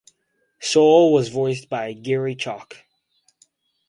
Sol was voiced by Garry Chalk.